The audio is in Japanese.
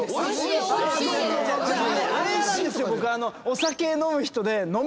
お酒飲む人で。